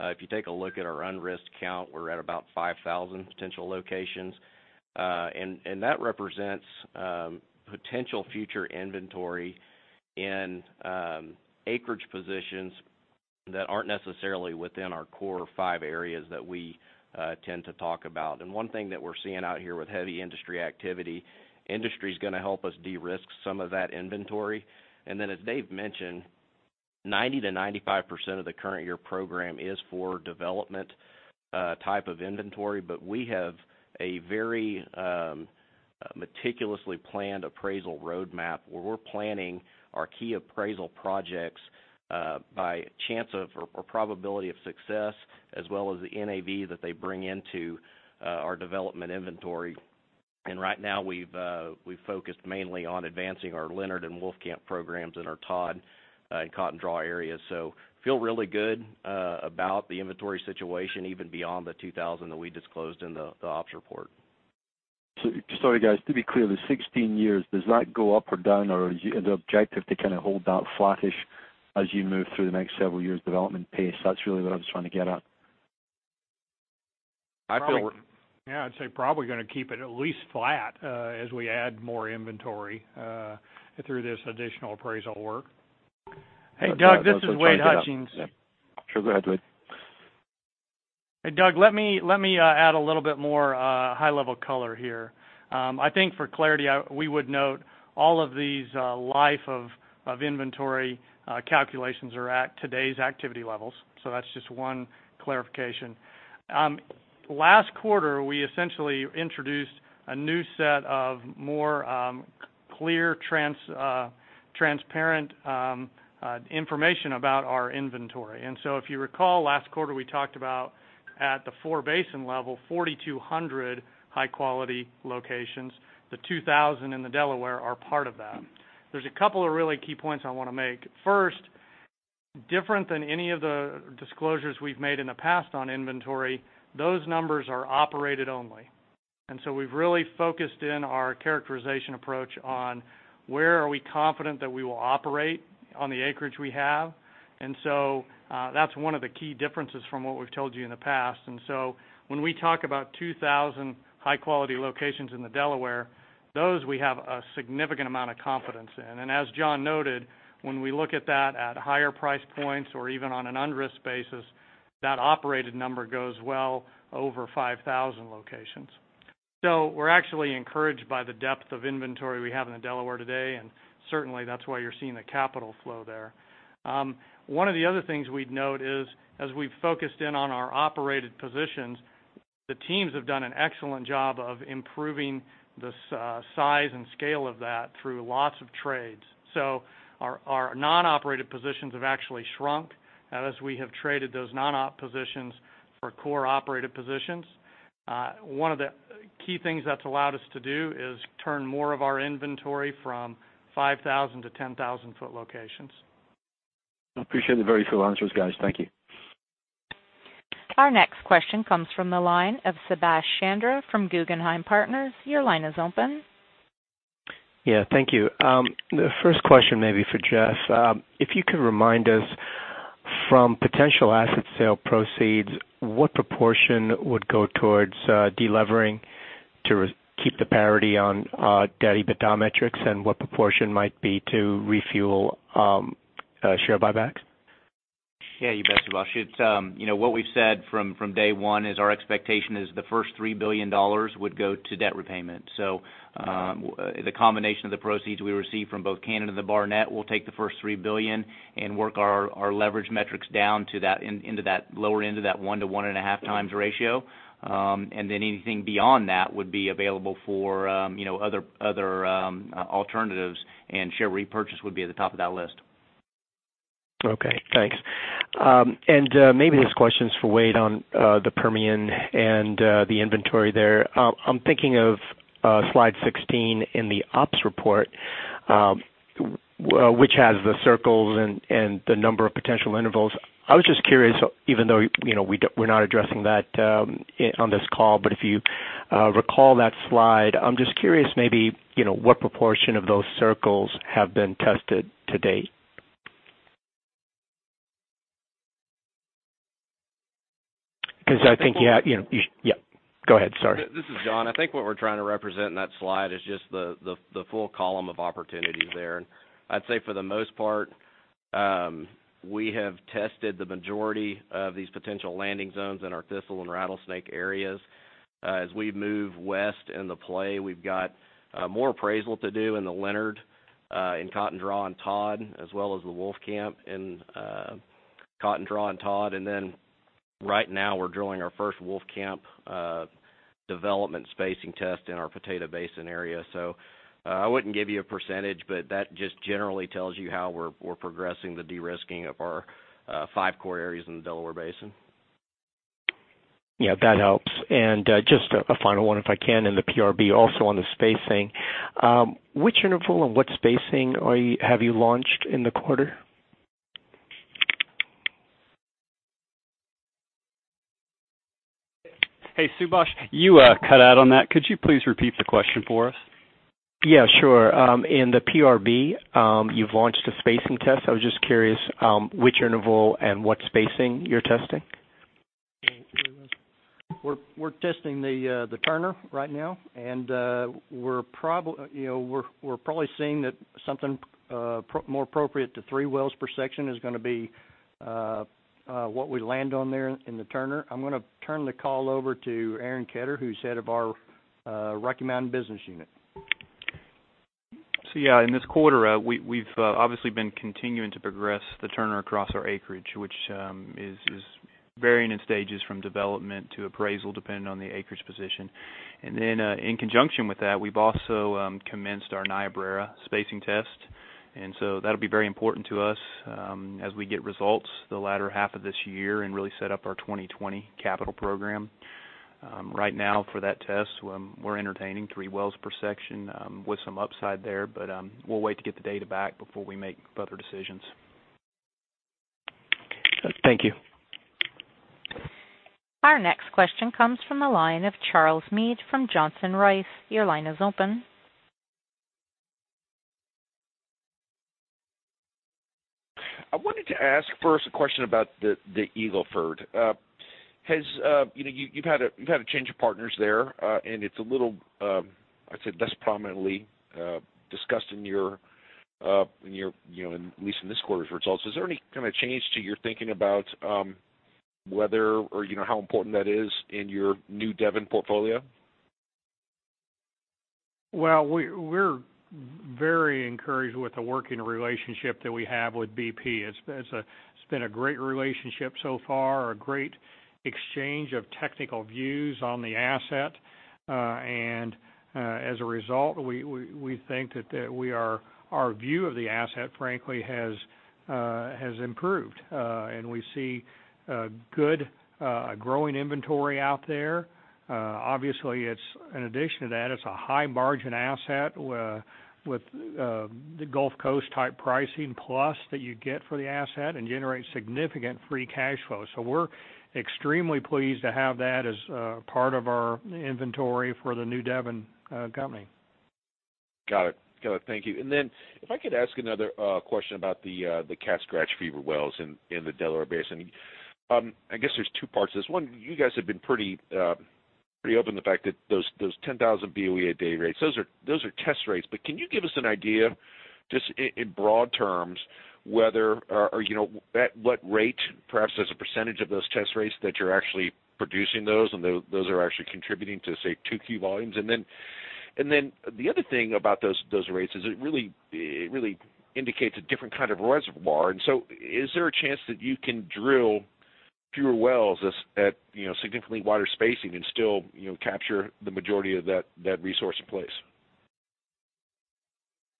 [SPEAKER 7] If you take a look at our unrisked count, we're at about 5,000 potential locations. That represents potential future inventory in acreage positions that aren't necessarily within our core five areas that we tend to talk about. One thing that we're seeing out here with heavy industry activity industry's going to help us de-risk some of that inventory. Then as Dave mentioned, 90%-95% of the current year's program is for development type of inventory. We have a very meticulously planned appraisal roadmap where we're planning our key appraisal projects by chance or probability of success, as well as the NAV that they bring into our development inventory. Right now, we've focused mainly on advancing our Leonard and Wolfcamp programs in our Todd and Cotton Draw area. Feel really good about the inventory situation, even beyond the 2,000 that we disclosed in the ops report.
[SPEAKER 10] Sorry, guys. To be clear, the 16 years-does that go up or down? Is the objective to kind of hold that flattish as you move through the next several years' development pace? That's really what I was trying to get at.
[SPEAKER 7] I feel we're-
[SPEAKER 3] Yeah, I'd say probably going to keep it at least flat as we add more inventory through this additional appraisal work.
[SPEAKER 9] Okay. Hey, Doug, this is Wade Hutchings.
[SPEAKER 10] Yeah. Sure. Go ahead, Wade.
[SPEAKER 9] Hey, Doug, let me add a little bit more high-level color here. I think, for clarity, we would note that all of these life of inventory calculations are at today's activity levels. That's just one clarification. Last quarter, we essentially introduced a new set of clearer, more transparent information about our inventory. If you recall, last quarter, we talked about at the four-basin level, 4,200 high-quality locations. The 2,000 in Delaware are part of that. There's a couple of really key points I want to make. First, different than any of the disclosures we've made in the past on inventory, those numbers are operational only. We've really focused on our characterization approach on where we are confident that we will operate on the acreage we have. That's one of the key differences from what we've told you in the past. When we talk about 2,000 high-quality locations in the Delaware, those we have a significant amount of confidence in them. As John noted, when we look at that at higher price points or even on an unrisked basis, that operated number goes well over 5,000 locations. We're actually encouraged by the depth of inventory we have in Delaware today, and certainly that's why you're seeing the capital flow there. One of the other things we'd note is that, as we've focused in on our operated positions, the teams have done an excellent job of improving the size and scale of that through lots of trades. Our non-operated positions have actually shrunk as we have traded those non-op positions for core operated positions. One of the key things that's allowed us to do is turn more of our inventory from 5,000-10,000-foot locations.
[SPEAKER 10] I appreciate the very full answers, guys. Thank you.
[SPEAKER 1] Our next question comes from the line of Subash Chandra from Guggenheim Partners. Your line is open.
[SPEAKER 11] Thank you. The first question may be for Jeff. If you could remind us of potential asset sale proceeds, what proportion would go towards de-levering to keep the parity on debt EBITDA metrics, and what proportion might be to refuel share buybacks?
[SPEAKER 5] Yeah, you bet your life, Subash. What we've said from day one is that our expectation is the first $3 billion would go to debt repayment. The combination of the proceeds we receive from both Canada and the Barnett will take the first $3 billion and work our leverage metrics down into that lower end of that 1x to 1.5x ratio. Then anything beyond that would be available for other alternatives, and share repurchase would be at the top of that list.
[SPEAKER 11] Okay, thanks. Maybe this question's for Wade on the Permian and the inventory there. I'm thinking of slide 16 in the ops report, which has the circles and the number of potential intervals. I was just curious, even though we're not addressing that on this call, but if you recall that slide, I'm just curious, maybe, what proportion of those circles have been tested to date? Go ahead, sorry.
[SPEAKER 7] This is John. I think what we're trying to represent in that slide is just the full column of opportunities there. I'd say for the most part, we have tested the majority of these potential landing zones in our Thistle and Rattlesnake areas. As we move west in the play, we've got more appraisal to do in the Leonard, in Cotton Draw and Todd, as well as the Wolfcamp in Cotton Draw and Todd. Then right now we're drilling our first Wolfcamp development spacing test in our Delaware Basin area. I wouldn't give you a percentage, but that just generally tells you how we're progressing the de-risking of our five core areas in the Delaware Basin.
[SPEAKER 11] Yeah, that helps. Just a final one, if I can, in the PRB, also on the spacing. Which interval and what spacing have you launched in the quarter?
[SPEAKER 3] Hey, Subash, you cut out on that. Could you please repeat the question for us?
[SPEAKER 11] Yeah, sure. In the PRB, you've launched a spacing test. I was just curious which interval and what spacing you're testing.
[SPEAKER 3] We're testing the Turner right now. We're probably seeing that something more appropriate to three wells per section is going to be what we land on there in the Turner. I'm going to turn the call over to Aaron Ketter, who's the head of our Rocky Mountain business unit.
[SPEAKER 12] Yeah, in this quarter, we've obviously been continuing to progress the Turner across our acreage, which is varying in stages from development to appraisal, depending on the acreage position. Then, in conjunction with that, we've also commenced our Niobrara spacing test. That'll be very important to us as we get results in the latter half of this year and really set up our 2020 capital program. Right now, for that test, we're entertaining three wells per section with some upside there. We'll wait to get the data back before we make further decisions.
[SPEAKER 11] Thank you.
[SPEAKER 1] Our next question comes from the line of Charles Meade from Johnson Rice. Your line is open.
[SPEAKER 13] I wanted to ask a question first about the Eagle Ford. You've had a change of partners there, and it's a little, I'd say, less prominently discussed at least in this quarter's results. Is there any kind of change to your thinking about whether or how important that is in your New Devon portfolio?
[SPEAKER 3] Well, we're very encouraged with the working relationship that we have with BP. It's been a great relationship so far, a great exchange of technical views on the asset. As a result, we think that our view of the asset, frankly, has improved. We see a good, growing inventory out there. Obviously, in addition to that, it's a high-margin asset with the Gulf Coast-type pricing, plus what you get for the asset, and it generates significant free cash flow. We're extremely pleased to have that as part of our inventory for the New Devon company.
[SPEAKER 13] Got it. Thank you. If I could ask another question about the Cat Scratch Fever wells in the Delaware Basin. I guess there's two parts to this. One, you guys have been pretty open to the fact that those 10,000 Boe a day rates, those are test rates. Can you give us an idea, just in broad terms, at what rate, perhaps as a percentage of those test rates, that you're actually producing those and those are actually contributing to, say, 2Q volumes? The other thing about those rates is it really indicate a different kind of reservoir. Is there a chance that you can drill fewer wells at significantly wider spacing and still capture the majority of that resource in place?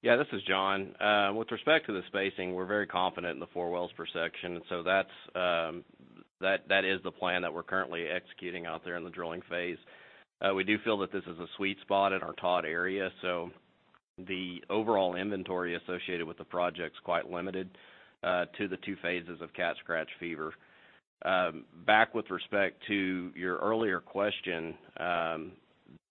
[SPEAKER 7] Yeah, this is John. With respect to the spacing, we're very confident in the four wells per section; that is the plan that we're currently executing out there in the drilling phase. We do feel that this is a sweet spot in our Todd area, the overall inventory associated with the project's quite limited to the two phases of Cat Scratch Fever. Back with respect to your earlier question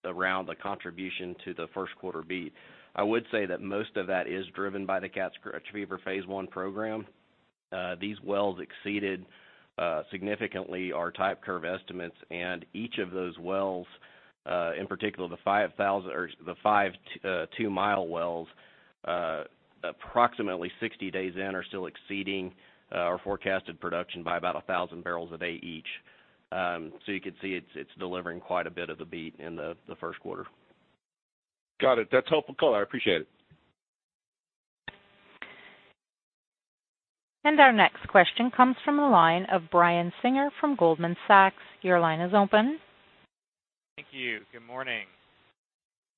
[SPEAKER 7] around the contribution to the first quarter beat, I would say that most of that is driven by the Cat Scratch Fever phase I program. These wells exceeded significantly our type curve estimates, each of those wells, in particular the five two-mile wells approximately 60 days in, is still exceeding our forecasted production by about 1,000 barrels a day each. You can see it's delivering quite a bit of the beat in the first quarter.
[SPEAKER 13] Got it. That's a helpful color. I appreciate it.
[SPEAKER 1] Our next question comes from the line of Brian Singer from Goldman Sachs. Your line is open.
[SPEAKER 14] Thank you. Good morning.
[SPEAKER 7] Good morning,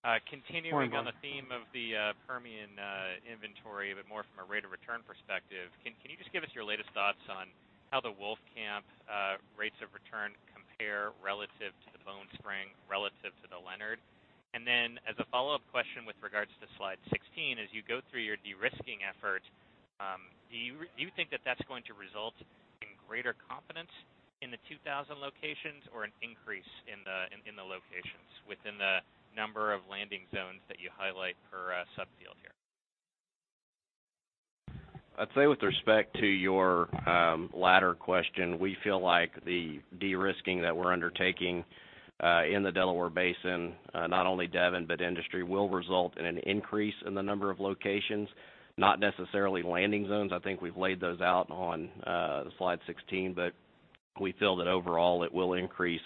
[SPEAKER 7] Brian.
[SPEAKER 14] Continuing on the theme of the Permian inventory, but more from a rate of return perspective, can you just give us your latest thoughts on how the Wolfcamp rates of return compare relative to the Bone Spring, relative to the Leonard? As a follow-up question with regard to slide 16, as you go through your de-risking effort, do you think that's going to result in greater confidence in the 2,000 locations or an increase in the number of locations within the number of landing zones that you highlight per sub-field here?
[SPEAKER 7] I'd say, with respect to your latter question, we feel like the de-risking that we're undertaking in the Delaware Basin, not only Devon, but the industry, will result in an increase in the number of locations, not necessarily landing zones. I think we've laid those out on slide 16, but we feel that overall it will increase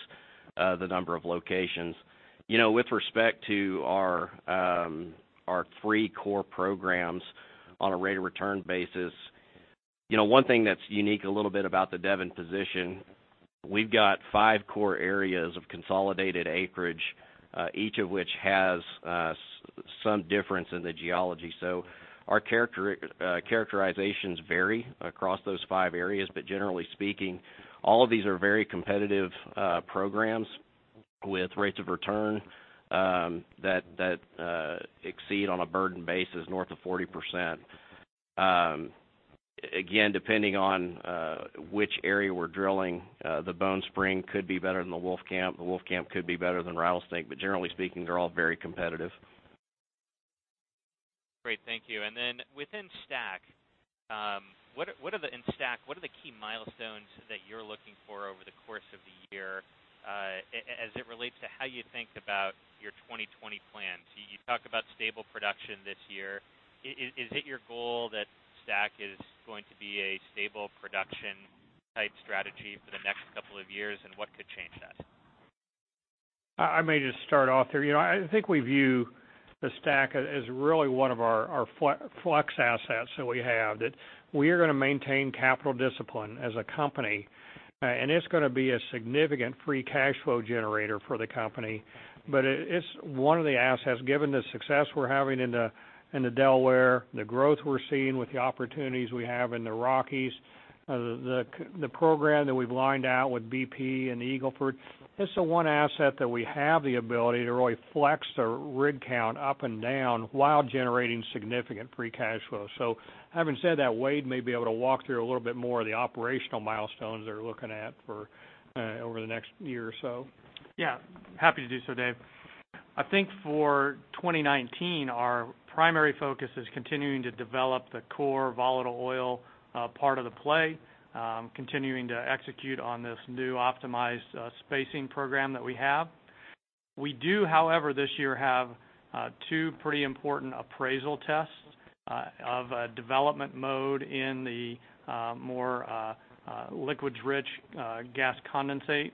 [SPEAKER 7] the number of locations. With respect to our three core programs on a rate of return basis, one thing that's a little bit unique about the Devon position, we've got five core areas of consolidated acreage, each of which has some difference in the geology. Generally speaking, all of these are very competitive programs with rates of return that exceed, on a burdened basis, north of 40%. Again, depending on which area we're drilling, the Bone Spring could be better than the Wolfcamp, the Wolfcamp could be better than Rattlesnake; generally speaking, they're all very competitive.
[SPEAKER 14] Great. Thank you. Within STACK, what are the key milestones that you're looking for over the course of the year as it relates to how you think about your 2020 plans? You talk about stable production this year. Is it your goal that STACK is going to be a stable production-type strategy for the next couple of years, and what could change that?
[SPEAKER 3] I may just start off here. I think we view the STACK as really one of the flex assets that we have, that we are going to maintain capital discipline as a company, and it's going to be a significant free cash flow generator for the company. It's one of the assets, given the success we're having in Delaware, the growth we're seeing with the opportunities we have in the Rockies, and the program that we've lined out with BP in the Eagle Ford. It's the one asset that we have the ability to really flex the rig count up and down while generating significant free cash flow. Having said that, Wade may be able to walk through a little bit more of the operational milestones they're looking at over the next year or so.
[SPEAKER 9] Happy to do so, Dave. I think for 2019, our primary focus is continuing to develop the core volatile oil part of the play, continuing to execute on this new optimized spacing program that we have. We do, however, this year have two pretty important appraisal tests of a development mode in the more liquids-rich gas condensate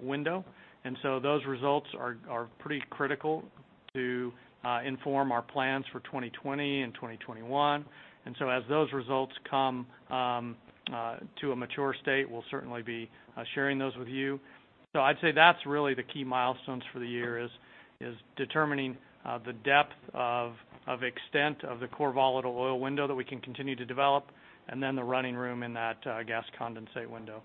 [SPEAKER 9] window. Those results are pretty critical to inform our plans for 2020 and 2021. As those results come to a mature state, we'll certainly be sharing those with you. I'd say that's really the key milestones for the year are determining the depth of extent of the core volatile oil window that we can continue to develop, and then the running room in that gas condensate window.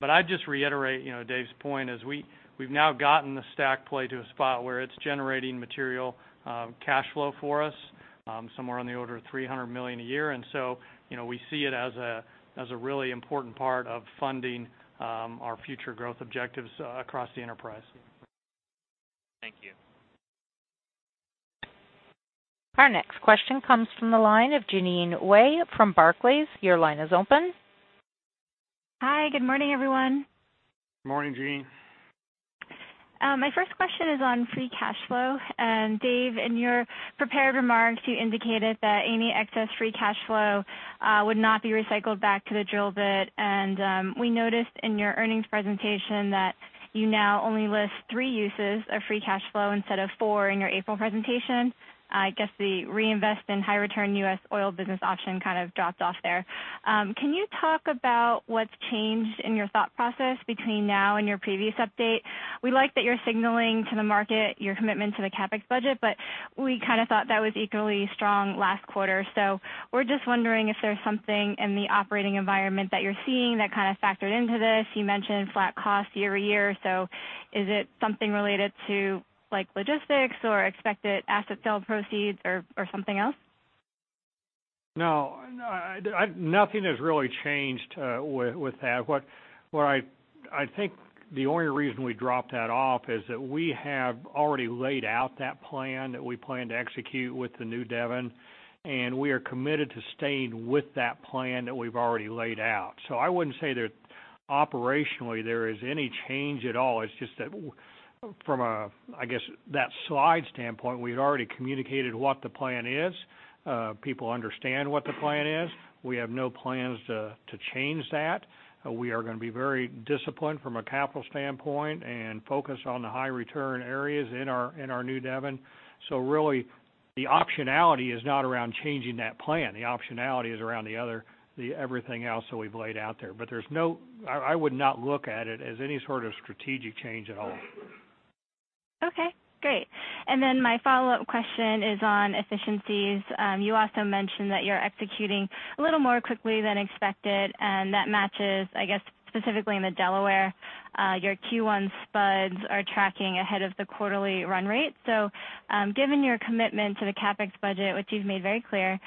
[SPEAKER 9] I'd just reiterate Dave's point, as we've now gotten the STACK play to a spot where it's generating material cash flow for us, somewhere on the order of $300 million a year. We see it as a really important part of funding our future growth objectives across the enterprise.
[SPEAKER 14] Thank you.
[SPEAKER 1] Our next question comes from the line of Jeanine Wai from Barclays. Your line is open.
[SPEAKER 15] Hi. Good morning, everyone.
[SPEAKER 3] Morning, Jeanine.
[SPEAKER 15] My first question is on free cash flow. Dave, in your prepared remarks, you indicated that any excess free cash flow would not be recycled back to the drill bit. We noticed in your earnings presentation that you now only list three uses of free cash flow instead of four in your April presentation. I guess the reinvestment in high-return U.S. oil business option kind of dropped off there. Can you talk about what's changed in your thought process between now and your previous update? We like that you're signaling to the market your commitment to the CapEx budget; we kind of thought that was equally strong last quarter. We're just wondering if there's something in the operating environment that you're seeing that kind of factored into this. You mentioned flat costs year-over-year. Is it something related to logistics, expected asset sale proceeds, or something else?
[SPEAKER 3] No. Nothing has really changed with that. I think the only reason we dropped that off is that we have already laid out that plan that we plan to execute with the New Devon, and we are committed to staying with that plan that we've already laid out. I wouldn't say that operationally there is any change at all. It's just that, from a, I guess, slide standpoint, we had already communicated what the plan is. People understand what the plan is. We have no plans to change that. We are going to be very disciplined from a capital standpoint and focus on the high-return areas in our New Devon. Really, the optionality is not around changing that plan. The optionality is around everything else that we've laid out there. I would not look at it as any sort of strategic change at all.
[SPEAKER 15] Okay, great. My follow-up question is on efficiencies. You also mentioned that you're executing a little more quickly than expected, and that matches, I guess, specifically in Delaware. Your Q1 spuds are tracking ahead of the quarterly run rate. Given your commitment to the CapEx budget, which you've made very clear,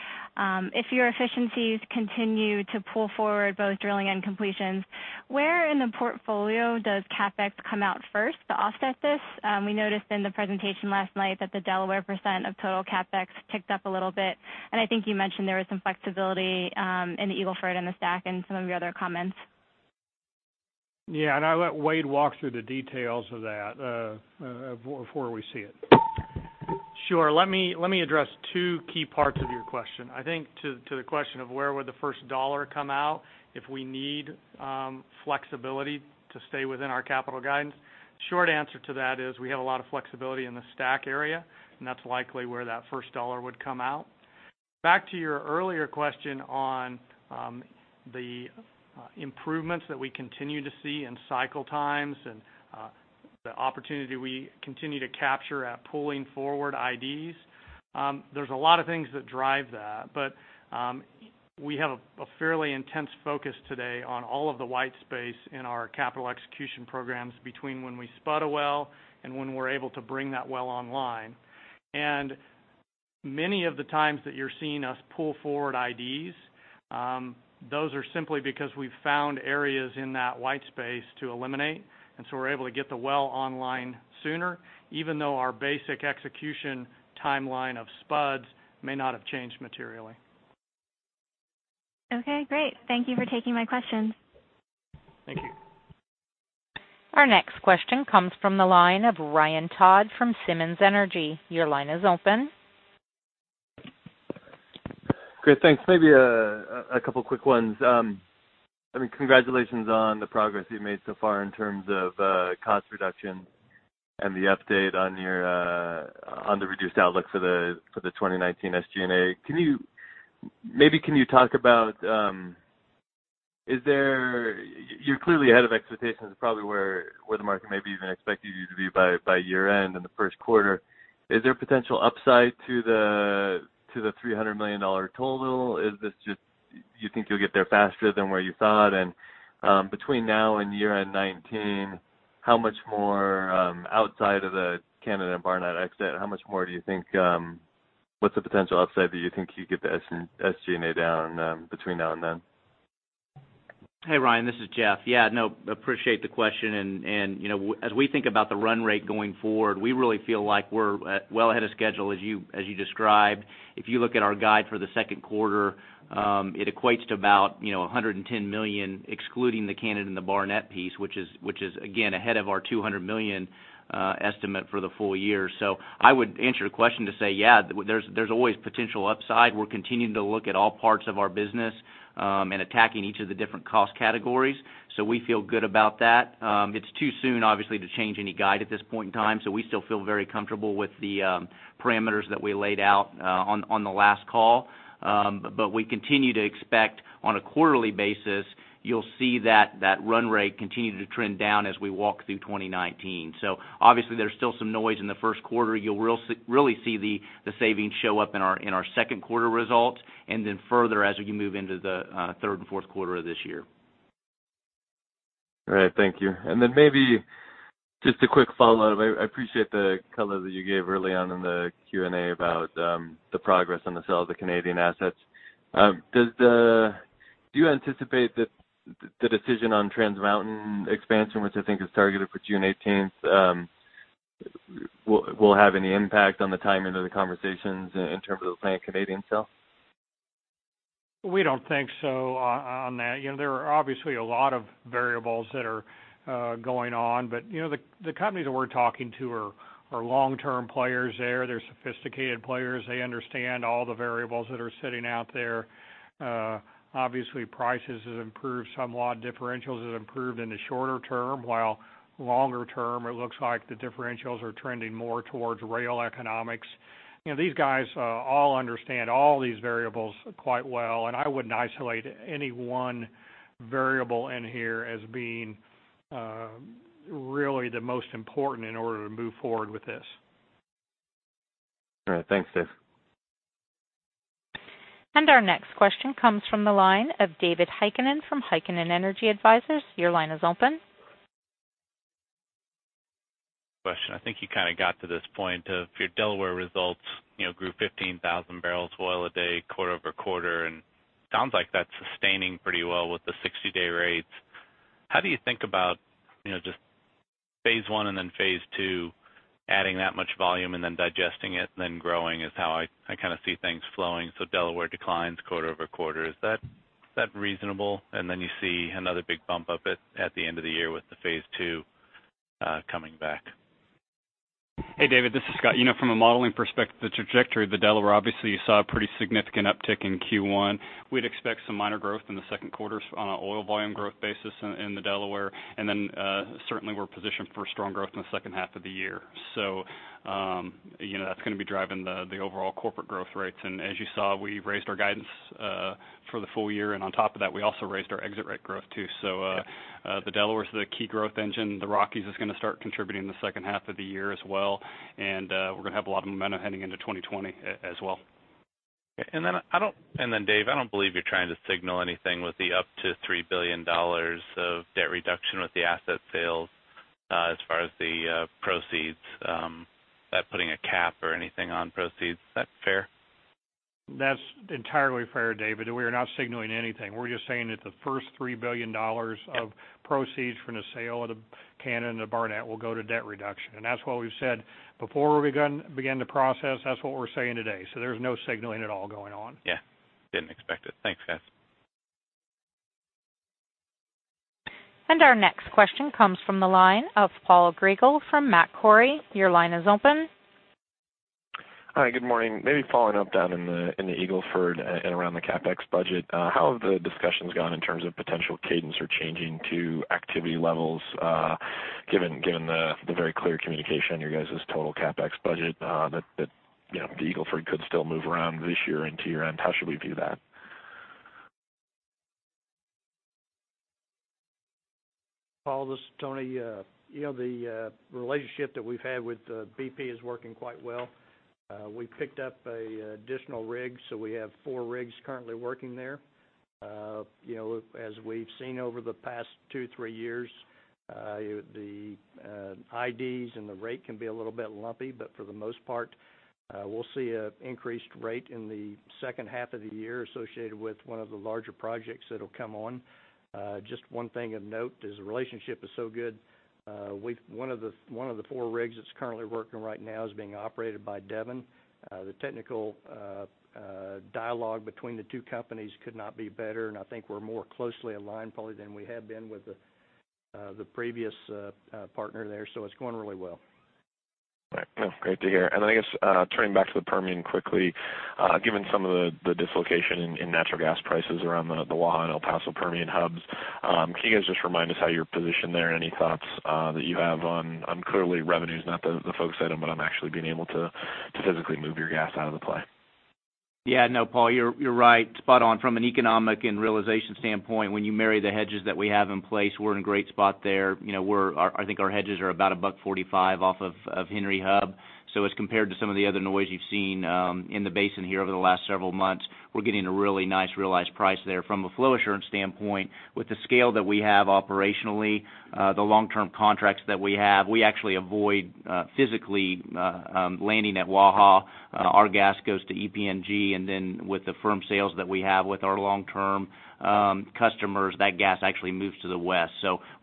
[SPEAKER 15] if your efficiencies continue to pull forward both drilling and completions, where in the portfolio does CapEx come out first to offset this? We noticed in the presentation last night that the Delaware percent of total CapEx ticked up a little bit, and I think you mentioned there was some flexibility in the Eagle Ford and the STACK in some of your other comments.
[SPEAKER 3] I'll let Wade walk through the details of that before we see it.
[SPEAKER 9] Sure. Let me address two key parts of your question. I think to the question of where the first dollar would come out if we need flexibility to stay within our capital guidance, the short answer to that is we have a lot of flexibility in the STACK area, and that's likely where that first dollar would come out. Back to your earlier question on the improvements that we continue to see in cycle times and the opportunity we continue to capture at pulling forward IDs. There's a lot of things that drive that, but we have a fairly intense focus today on all of the white space in our capital execution programs between when we spud a well and when we're able to bring that well online. Many of the times that you're seeing us pull forward IDs, those are simply because we've found areas in that white space to eliminate, so we're able to get the well online sooner, even though our basic execution timeline of spuds may not have changed materially.
[SPEAKER 15] Okay, great. Thank you for taking my questions.
[SPEAKER 9] Thank you.
[SPEAKER 1] Our next question comes from the line of Ryan Todd from Simmons Energy. Your line is open.
[SPEAKER 16] Great. Thanks. Maybe a couple of quick ones. Congratulations on the progress you've made so far in terms of cost reduction and the update on the reduced outlook for the 2019 SG&A. Maybe you can talk about, you're clearly ahead of expectations, probably where the market maybe even expected you to be by year-end in the first quarter. Is there potential upside to the $300 million total? Is this just you think you'll get there faster than where you thought? Between now and year-end 2019, outside of the Canada and Barnett exit, what's the potential upside that you think you by getting the SG&A down between now and then?
[SPEAKER 5] Hey, Ryan, this is Jeff. Yeah, no, appreciate the question. As we think about the run rate going forward, we really feel like we're well ahead of schedule, as you described. If you look at our guide for the second quarter, it equates to about $110 million, excluding Canada and the Barnett piece, which is again ahead of our $200 million estimate for the full year. I would answer your question to say, yeah, there's always potential upside. We're continuing to look at all parts of our business and attacking each of the different cost categories. We feel good about that. It's too soon, obviously, to change any guide at this point in time. We still feel very comfortable with the parameters that we laid out on the last call. We continue to expect, on a quarterly basis, that you'll see that run rate continue to trend down as we walk through 2019. Obviously, there's still some noise in the first quarter. You'll really see the savings show up in our second quarter results, and then further as we move into the third and fourth quarters of this year.
[SPEAKER 16] All right. Thank you. Then maybe just a quick follow-up. I appreciate the color that you gave early on in the Q&A about the progress on the sale of the Canadian assets. Do you anticipate that the decision on Trans Mountain expansion, which I think is targeted for June 18th, will have any impact on the timing of the conversations in terms of the planned Canadian sale?
[SPEAKER 3] We don't think so about that. There are obviously a lot of variables that are going on, but the companies that we're talking to are long-term players there. They're sophisticated players. They understand all the variables that are sitting out there. Obviously, prices have improved somewhat, differentials have improved in the shorter term, while in the longer term, it looks like the differentials are trending more towards rail economics. These guys all understand all these variables quite well, and I wouldn't isolate any one variable in here as being really the most important in order to move forward with this.
[SPEAKER 16] All right. Thanks, Dave.
[SPEAKER 1] Our next question comes from the line of David Heikkinen from Heikkinen Energy Advisors. Your line is open.
[SPEAKER 17] Question. I think you kind of got to this point where your Delaware results grew 15,000 barrels of oil a day quarter-over-quarter. Sounds like that's sustaining pretty well with the 60-day rates. How do you think about just phase I and then phase II, adding that much volume and then digesting it, then growing? Is that how you kind of see things flowing? Delaware declines quarter-over-quarter. Is that reasonable? You see another big bump up at the end of the year with phase II coming back.
[SPEAKER 2] Hey, David, this is Scott. From a modeling perspective, the trajectory of the Delaware, obviously, you saw a pretty significant uptick in Q1. We'd expect some minor growth in the second quarter on an oil volume growth basis in the Delaware, and then certainly we're positioned for strong growth in the second half of the year. That's going to be driving the overall corporate growth rates. As you saw, we raised our guidance for the full year, and on top of that, we also raised our exit rate growth.
[SPEAKER 17] Yeah.
[SPEAKER 2] The Delaware is the key growth engine. The Rockies is going to start contributing in the second half of the year as well, and we're going to have a lot of momentum heading into 2020 as well.
[SPEAKER 17] Dave, I don't believe you're trying to signal anything with the up to $3 billion of debt reduction with the asset sales, as far as the proceeds, by putting a cap or anything on proceeds. Is that fair?
[SPEAKER 3] That's entirely fair, David. We are not signaling anything. We're just saying that the first $3 billion of proceeds from the sale of Canada and the Barnett will go to debt reduction.
[SPEAKER 17] Yeah
[SPEAKER 3] That's what we've said before we began to process; that's what we're saying today. There's no signaling at all going on.
[SPEAKER 17] Yeah. Didn't expect it. Thanks, guys.
[SPEAKER 1] Our next question comes from the line of Paul Grigel from Macquarie. Your line is open.
[SPEAKER 18] Hi. Good morning. Maybe following up down in the Eagle Ford and around the CapEx budget, how have the discussions gone in terms of potential cadence or changing to activity levels, given the very clear communication on your guys' total CapEx budget, that the Eagle Ford could still move around this year into year-end? How should we view that?
[SPEAKER 4] Paul, this is Tony. The relationship that we've had with BP is working quite well. We picked up additional rigs, so we have four rigs currently working there. As we've seen over the past two or three years, the IDs and the rate can be a little bit lumpy, but for the most part, we'll see an increased rate in the second half of the year associated with one of the larger projects that'll come on. Just one thing of note is that the relationship is so good, one of the four rigs that's currently working right now is being operated by Devon. The technical dialogue between the two companies could not be better, and I think we're more closely aligned, probably, than we had been with the previous partner there. It's going really well.
[SPEAKER 18] All right. Great to hear. I guess, turning back to the Permian quickly, given some of the dislocation in natural gas prices around the Waha and El Paso Permian hubs, can you guys just remind us how you're positioned there? Any thoughts that you have on Clearly, revenue's not the focus item, but on actually being able to physically move your gas out of the play.
[SPEAKER 5] Paul, you're right. Spot on. From an economic and realization standpoint, when you marry the hedges that we have in place, we're in a great spot there. I think our hedges are about $1.45 off of Henry Hub. As compared to some of the other noise you've seen in the basin here over the last several months, we're getting a really nice realized price there. From a flow assurance standpoint, with the scale that we have operationally and the long-term contracts that we have, we actually avoid physically landing at Waha. Our gas goes to EPNG, with the firm sales that we have with our long-term customers, and that gas actually moves to the west.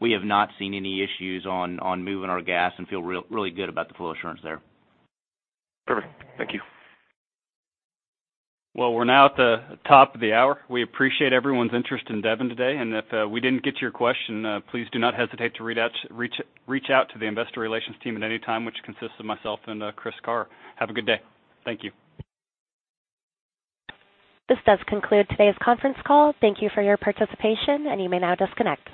[SPEAKER 5] We have not seen any issues with moving our gas and feel really good about the flow assurance there.
[SPEAKER 18] Perfect. Thank you.
[SPEAKER 2] Well, we're now at the top of the hour. We appreciate everyone's interest in Devon today, and if we didn't get to your question, please do not hesitate to reach out to the investor relations team at any time, which consists of Chris Carr and me. Have a good day. Thank you.
[SPEAKER 1] This does concludes today's conference call. Thank you for your participation, and you may now disconnect.